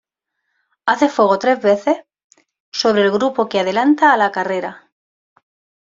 Hace fuego tres veces sobre el grupo que adelanta a la carrera.